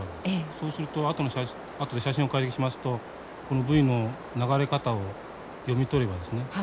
そうすると後で写真を解析しますとこのブイの流れ方を読み取ればですね